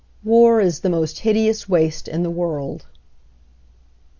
War is the most hideous waste in the world."